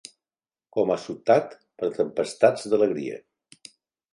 ...com assotat per tempestats d'alegria.